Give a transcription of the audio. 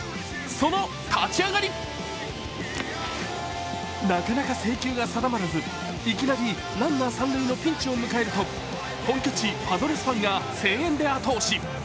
その立ち上がり、なかなか制球が定まらずいきなりランナー三塁のピンチを迎えると、本拠地・パドレスファンが声援で後押し。